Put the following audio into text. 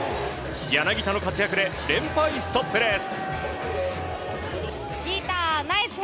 柳田の活躍で連敗ストップです。